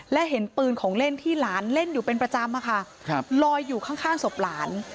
และเห็นปืนของเล่นที่หลานเล่นอยู่เป็นประจำอะค่ะลอยอยู่ข้างศพหลาน